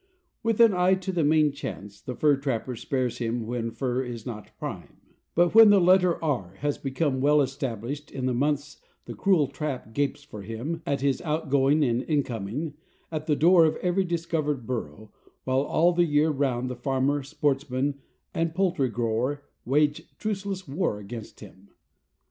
With an eye to the main chance, the fur trapper spares him when fur is not prime, but when the letter "R" has become well established in the months the cruel trap gapes for him at his outgoing and incoming, at the door of every discovered burrow, while all the year round the farmer, sportsman, and poultry grower wage truceless war against him.